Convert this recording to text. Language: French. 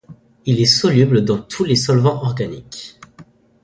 Il est soluble dans tous les solvants organiques.